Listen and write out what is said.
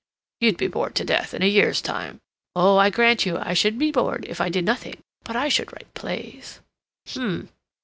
"You'd be bored to death in a year's time." "Oh, I grant you I should be bored if I did nothing. But I should write plays." "H'm!"